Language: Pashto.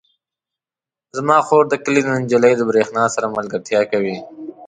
زما خور د کلي د نجلۍ برښنا سره ملګرتیا کوي.